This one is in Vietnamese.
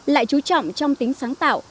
lại trú trọng trong tính sáng tạo